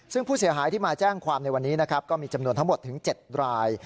ซึ่งผู้เสียหายที่มาแจ้งความในวันนี้นะครับก็มีจำนวนทั้งหมดถึง๗ราย